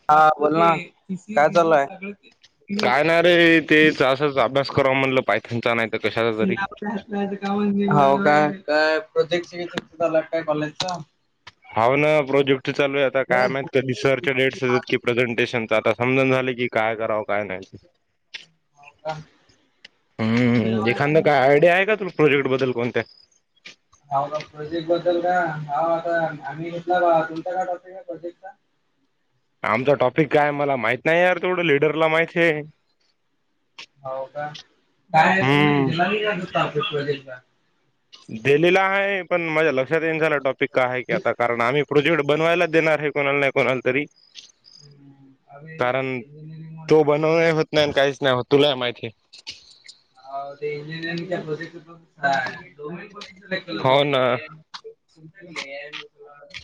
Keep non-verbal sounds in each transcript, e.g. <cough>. <unintelligible> हा बोल ना काय चालू हा?. काय नाही रे तेच असंच अभ्यास करावा म्हटलं पायथान चा <unintelligible> हो का काय प्रोजेक्ट <unintelligible> काय बोलायचं हा ना प्रोजेक्ट चालू आहे आता काय हो महित कधी सर? कि डेट <unintelligible> प्रेझेंटेशनच आता समजना काय करावं काय नाही? का <inaudible> हम्म एखादं काय आयडिया का तुला? प्रोजेक्ट बद्दल कोणत्या? ह का प्रोजेक्ट बद्दल का ह आता आम्ही घेतला तुमचा काय टॉपिक आहे प्रोजेक्ट चा? आमचा टॉपिक काय मला माहित नाही यार तेवढं लिडरला माहित आहे हो का काय नाही तुम्ही हम्म दिला नाही काय अस प्रोजेक्टचा दिलेला आहे पण माझ्या लक्षात येईना झाला टॉपिक काय आहे की आता कारण हम्म आम्ही प्रोजेक्ट बनवायला देणार आहे कोणाला नाही कोणाला तरी? अरे कारण इंजिनिअरिंग तो बनवून होत नाही आणि काहीच नाही तुलाय इंजिनिअरिंग माहितीय हो ते इंजिनिअरिंगच्या प्रोजेक्ट हो ना <unintelligible> <unintelligible>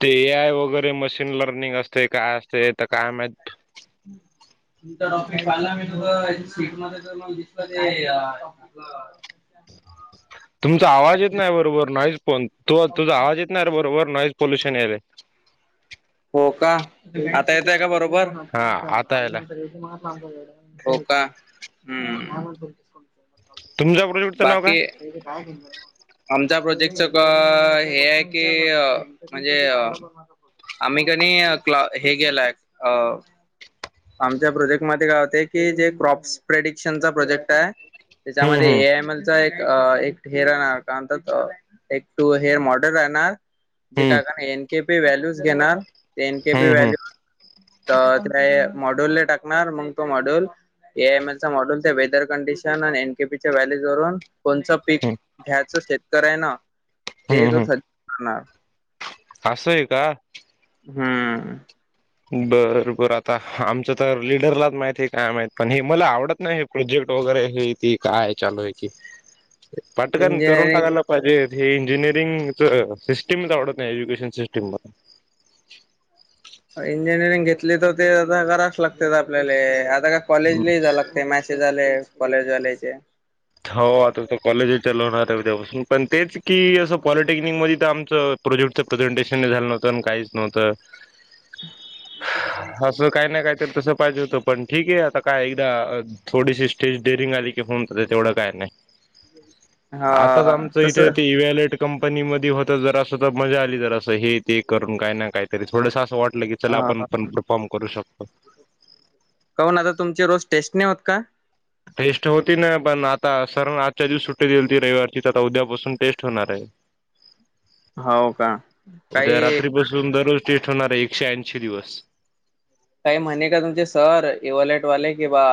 ते एआय वगैरे मशीन लर्निंग असतय काय असतय माहित? हम्म तुमचा टॉपिक काढला मी तु सीट मध्ये मला दिसलं ते हेच तुमचा आवाज येत नाही बरोबर नाहीच पण तुझा आवाज येत नाही बरोबर नाॉईस पोलुशन यायलय. हो का? आता येतय <unintelligible> का बरोबर? हा आता यायला <unintelligible> हो का हंम तुमच्या प्रोजेक्टचं नाव काय बाकी <unintelligible> आमच्या प्रोजेक्ट हे हाय की आम्ही कणी क्ला हे केेलाय अ आमच्या प्रोजेक्ट मध्ये काय होतय की जे क्रॉपस प्रेडिक्शनचा प्रोजेक्ट आहे त्याच्यामध्ये हम्म ए आय एक एक हेअर राहणार काय एक टू हेअर मॉडल राहणार ते जे हम्म काय एन के पी व्हॅल्यूज घेणार एन के पी हम्म हम्म व्हॅल्यू तर काय ते मॉडूल ला टाकणार मग तो मॉडूल ए आय अम अल चा मॉडेल त्या वेदर कंडिशन आणि व्हॅल्यूस वरुन कोणच पी हम्म घ्यायचं शेतकऱ्यान ते हम्म तो हम्म ठरविणार असं हाय का? हम्म.. बरं बरं आता आमच्या तर लीडरलाच माहित काय माहित काय मला हे आवडत नाही. प्रोजेक्ट वगैरे हे त काय चालू आहे क पटकन करून इंजिनिअरिंग टाकायलाय पाहिजे हे इंजिनरिंगच सिस्टीमच आवडत नाही एज्युकेशन सिस्टिम. इंजिनिअरिंग घेतली तर ते आता करायलाच लागतय आपल्याला आता काय मला कॉलेजला जा लागते मॅथस. ते झाले कॉलेजवाल्याचे हो आता तर कॉलेज लवणार आहे उद्यापासून पण तेच की असं पॉलिटेक्निक मध्ये तर आमच प्रोजेक्टचं प्रेझेंटेशन हि झालं नव्हतं आणि काहीच नव्हतं असं काही नाही काही तसं पाहिजे होतं पण ठीक आहे आता काय एकदा थोडीशी स्टेज डेअरिंग आली की होउन तेवढं काय नाही आताच हा आमच तस इथे ते हा इवल कंपनीमध्ये होत जर असं तर मजा आली जर असं हे ते करून काय ना काय तरी थोडस असं वाटलं की चला आपण पण परफॉर्म करू शकतो. कहून आता तुमचे रोज टेस्ट नाही होत का. टेस्ट होती ना पण आता <unintelligible> सरण आजच्या दिवस सुट्टी दिलती रविवारचीच आता उद्यापासून टेस्ट होणार आहे. हो का उद्या काही रात्री बसून दरोज ते ठरणाराय एकशे ऐंशी दिवस. काही म्हणे का तुमचे सर एव्हलेट वाले किं बा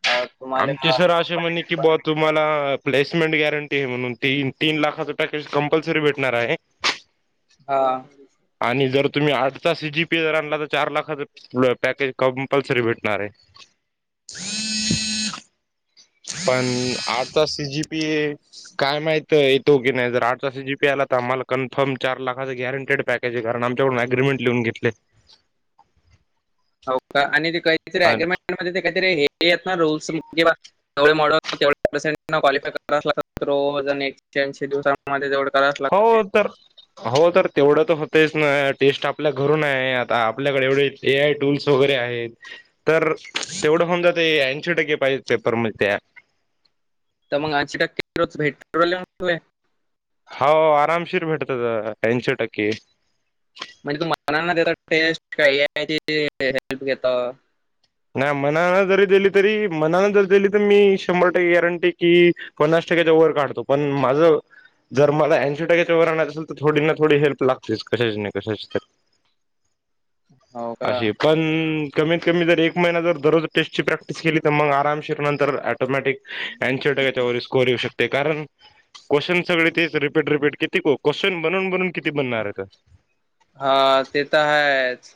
<unintelligible> आमचे सर असे म्हणे की बाॅ तुम्हाला प्लेसमेंट गॅरंटीय म्हणून तीन तीन लाखाच पॅ <unintelligible> कंपलसरी भेटणार आहे. हा. आणि जर तुम्ही <unintelligible> हाजचा सी जी पेअर आणला तर चार लाखाच. <unintelligible> पॅकेज कंपल्सरी भेटणार आहे. पणं आता सी जी पीए. काय माहित येतो की नाही जर आठचा सी जीपी आला तर आम्हाला कन्फर्म चार लाखाचा गॅरंटेड पॅक कारण आमच्याकडून अग्रीमेट लिहून घेतले. हो का आणि ते काहीतरी आणि अग्रीमेंटमध्येध्ये ते काहीतरी हे येत ना रूल्स <unintelligible> तेवढे मॉडक तेवढ-पर्सेट <unintelligible> क्वालिफायोजक् दिवस. मध्ये <unintelligible> जवड क हो तर. हो तर तेवढं तर हूतयच ना टेस्ट आपल्या घरूनाय आता आपल्याकडे एवढे ए आय टूल्स वगैरे आहेत. तर तेवढं होऊन जातंय ऐंशी टक्के पाहिजे पेपरम त्या त मग ऐंशी टक्के <unintelligible> रोज <unintelligible> भेट्रोल आहे. हो आरामशीर भेटत ऐंशी टक्के. म्हणजे <unintelligible> तुम्हाला <inaudible> त्या टेस्ट <unintelligible> काही आहे त हेल्प घेता. नाय मनान जरी दिली तरी मनान जरी दिली तर मी शंभर टक्के गॅरंटी कि पन्नास टक्क्याच्या वर काढतो पणं माझं. जर मला ऐंशी टक्क्याच्या वर आणायचं असल तर थोडी ना थोडी हेल्प लागतेच कशाची नाही कशाची तर. हो का अशी पणं कमीत कमी जर एक क महिना जर दररोज टेस्टची प्रॅक्टिस केली तर मग <unintelligible> आरामशिर नंतर <unintelligible> ऑटोमॅटिक ऐंशी टक्क्याच्या वर स्कोर येऊ शकतो. ते कारण क्वेश्चन सगळे तेच रिपीट रिपीट किती को क्वेश्चन बनून बनून किती बणारयत. हा ते तर हायच.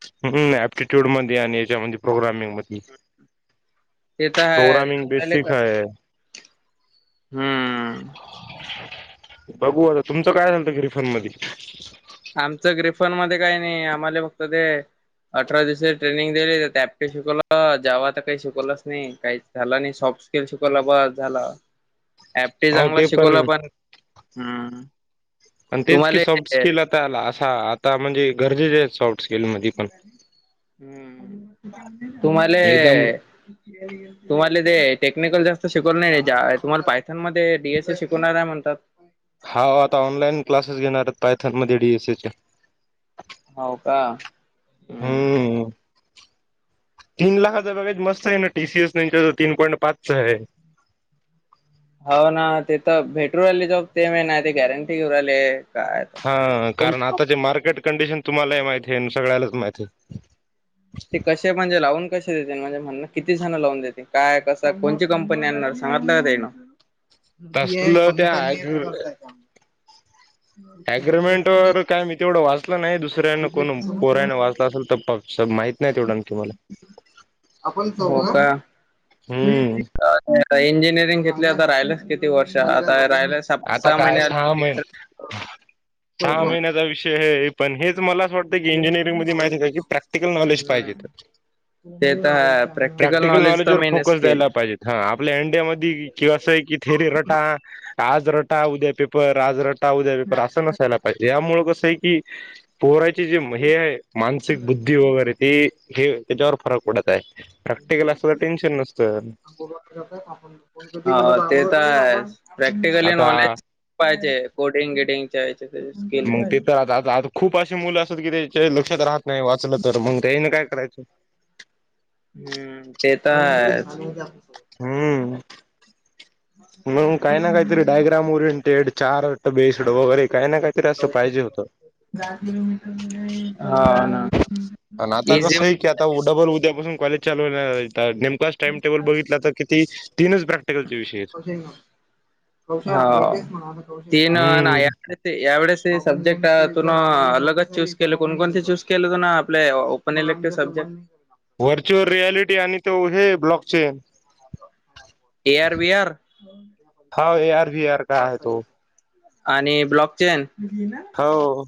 <unintelligible> ह् ॲप्टिट्यूड मध्ये आणि हेच्यामध्ये प्रोग्रामिंग मध्ये. ते तर <unintelligible> आहेच प्रोग्रामिंग आपल्याले बेसिख कस हाय. हम्म. बघू आता तुमचं काय झालत <unintelligible> रिफंड मध्यी. आमचं ग्रिफन मध्ये काइ‌ <unintelligible> नइ आम्हाला फक्त ते अठरा दिवस ट्रेनिंग दिली जाते <unintelligible> त्यापटे शिकवलं जावा काही शिकवलंच नाही काहीच. झाला नइ सॉफ्ट स्केल शिकवला <unintelligible> बस झाला. <inaudible> <unintelligible> हो ते हम्म पण-आण तेच कि सॉफ्ट तुम्हाला स्किल. तल असा आता म्हणजे गरजेचे <unintelligible> पण हम्म -तुम्हाले एकदम <inaudible> तुम्हाले ते टेक्निकल जास्त शिकवलं <unintelligible> नाही-जा तुमाला पायथान मध्ये डीएस ए शिकवणारय म्हणतात हाव आता ऑनलाईन क्लासेस घेणारयत पायथन मध्ये डीएसएच्या हाव का हम्म तीन लाखाच बगेज मस्त हाय ना टीसीएस न तीन पॉईंट पाच्चय हो ना ते तर भेटू राहिले जॉब ते म ना ते गॅरंटी घेऊ राहिले. काय आता. हा कोण कारण आता ज मार्केट कंडिशन तुम्हालाही माहिती आहे सगळ्यालाच माहिती आहे. ते कसे म्हणजे लावून कसे देेत म्हणजे म्हण किती जण लावून देेते काय कसं कोणची कंपनी आणणार सांगतलं का देईण. नदी आहे तसलं कमी पानी आहे तर त्या करता य त्या <inaudible> अग्रीमेंट वर काय मी तेवढं वाचलं नाही दुसऱ्यानं कोण पोऱ्यानं वाचला असेल तर पक् सर माहत नाही तेवढं तुम्हाला आपण सता हम्म तु इंजिनिअरिंग घेतली आता राहिलस किती वर्ष आता राहिलस. आता काय सहा महिन सहा महिन्याचा विषय हे पण हेच मलाच वाटत. इजिअरिंगमध्ये माहिती का की प्रॅक्टिकल नॉलेज हम्म. पाहिजे तर ते तर प्रॅक्टिकल नॉलेज तर मेनस पाहिजे हा आपल्या अंड्यामध्ये किवा असं आहे की थेरे रटा आज रटा उद्या पेपर आज रटा उद्या पेपर असं नसायला पाहिजे यामुळ कसं आहे की. पोराची जे हे आहे मानसिक बुद्धी वगैरे तेी हे तेच्यावर फरक पडताय प्रॅक्टिकल असल टेन्शन नसतं <inaudible> ते तर हायेच प्रॅक्टिकली आता नॉलेज पाहिजे कोडिंग गेडिंगच्या <unintelligible> स्किल पाहिजे <unintelligible> आता खूप अशे मुलं असतात की त्याच्या लक्षात राहत नाही वाचलं तर मग तेन काय करायचं हम्म ते <unintelligible> त हायच हम्म मग काही ना काहीतरी डायग्राम ओरिएंटेड चार बेस्ड वगैरे काय ना काही औष- आण आता इझी कसं आहे की आता डबल उद्यापासून कॉलेज चालू नेम क्लास टाइम टेबल बघितला तर किती तीनच प्रॅक्टिकलचे विषय आहेत. हा तीन हम्म नाही यावेेळेस सब्जेक्ट तुून अलगच चूज केले कोणकोणते चूज केले तु ना आपले पण इलेक्ट्रि सब्जेक्ट व्हर्च्युअल रियालिटी आणि तो हे block chain A R B R हा ए आर वी आर का आहे तो? आणि ब्लॉक चेन हो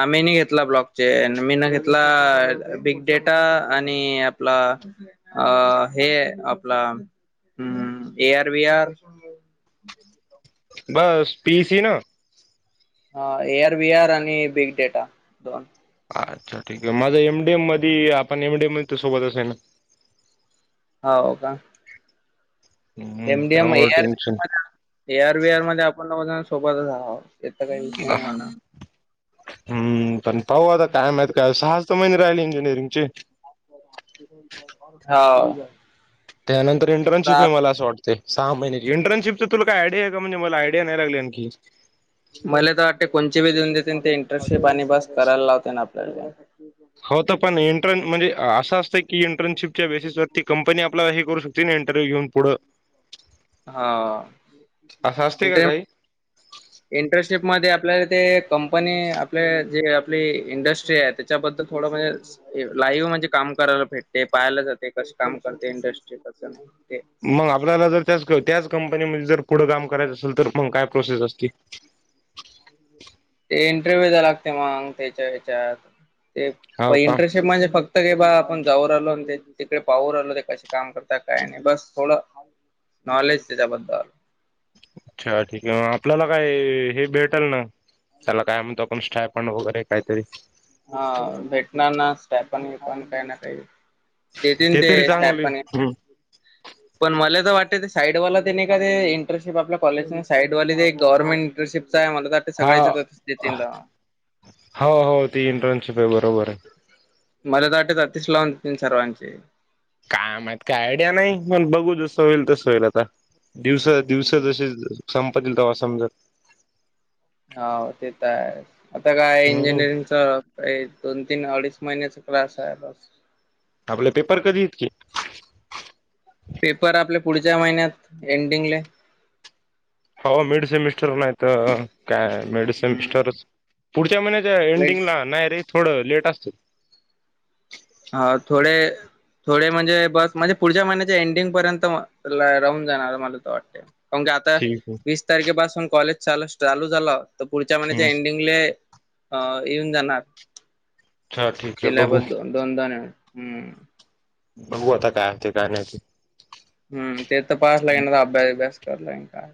आम्ही नी घेतला ब्लॉक चे मी न घेतला बिग डेटा आणि आपला अ हे आपला ए आर वी आर बस पीस ही ना ह ए आर वी आर आणि बिग डेटा दोन अच्छा ठीक आहे माझं एम डी एम मधे आपण एम डी एममध्ये तर सोबत अस आहे ना हा हो का, हम्म एमडी एम त्यामुळे एअर टेन्शन ए आरवीआर मध्ये आपण दोघजणं सोबतच अहो याचा काही विषय नाही होणार. हम्म पण पाहू आता काय माह काय सहज तर महि राहिल इंजिनिअरिंगचे हाव त्यानंतर इंटर्नशिप मला असं वाटते. ते सहा महिने इंटर्नशिपचं तुला काय आयडिया आहे का म्हणजे मला आयडिया नाही लागली आणखी मला तर वाटते कोणते बी देऊन देते ते इंटर्नशिप आणि बस करायला लावते ना आपल्याला हो तर पण इंटर्न म्हणजे असं असतं की इंटर्नशिपच्या बेसिस वरती कंपनी आपला हे करू शकते. तीन इंटरव्ह्यू घेऊन पुढं हा असं असते का <unintelligible> काही इंटर्नशिप मध्ये आपल्याला ते कंपनी आपले जे आपली इंडस्ट्री आहे. त्याच्याबद्दल थोडं म्हणजे लाईव्ह म्हणजे काम करायला भेटते पाहायला जाते कशी काम करते इंडस्ट्री. ते. मग आपल्याला जर त्या त्याच कंपनीमध्ये जर पुढं काम करायचं असेल तर मग काय प्रोसेस असते? ह <inaudible> ते इंटरव्ह्यू द्या लागते मग त्याच्या हच्यात ते प हो का इंटरनशिप म्हणजे फक्त बा आपण जाऊन आलो आणि तिकडे पाहून आलो ते कसे काम करत काय नाही बस थोडं. नॉलेज त्याच्याबद्दल. अच्छा ठीक आहे मग आपल्याला काय हे भेटेल ना. त्याला काय म्हणतो आपण स्टायपेंड वगैरे काहीतरी. हा भेटणार ना स्टायपेंड बिपेंड काही ना काही. देतील ते स्टायपेंड. ह. पण मले तर वाटत ते साईडवाला ते नाही का ते इंटर्नशिप आपल्या कॉलेज साईडवाली ते गव्हर्नमेंट इंटर्नशिप काय म्हणतात? हा हो हो ती इंटर्नशिप आहे बरोबर आहे. मलात आटेत अतिश लावन सर्वांचे. काय माहित काय आयडिया नाही मण बघू जसं होईल तसं होईल आता दिवसा दिवस हम्म. जसे संपतील तेव्हा समजत हो ते तर आहे आता काय हम्म इंजिनिअरिंग तर दोन तीन अडीच महिन्याचा क्लास आहे बस आपलं पेपर कधी येत की? पेपर आपले पुढच्या महिन्यात एंडिंगले हो मिड सेमिस्टर नाही तर काय मिड हम्म. सेमिस्टरच. पुढच्या महिन्याच्या मिड एंडिंगला नाही रे थोडं लेट असतं. हा थोडे. थोडे म्हणजे बस म्हणजे पुढच्या महिन्याच्या एंडिंग पर्यंत राहून जाणार मला त वाटत. कारण की आता ठीक वीस तारखेपासून कॉलेज चालू चालू झाला तर पुढच्या आहे महिन्याच्या एंडिंगले अ येऊन जाणार अच्छा ठीक आहे बघू सिलबस द दोनदाण येऊन हम्म. बघू आता काय हो ते काय नाहीते. हम्म ते तर पाहायचं लागेल ना अभ्यास अभ्यास करला काय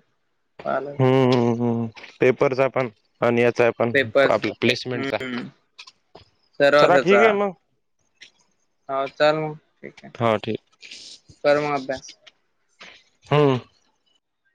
पा. ह्् पेपरचा पण आणि याचा पण. पण पेपर्स आपला प्लेसमेंटचा हम्म सर्वच चला ठीक आहे मग. हा चाल म. हा ठीक अभ्यास हम.